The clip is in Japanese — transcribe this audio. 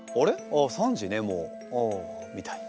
あ３時ねもうあ」みたいな。